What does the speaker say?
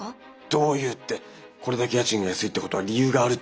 どういうってこれだけ家賃が安いってことは理由があるってことです。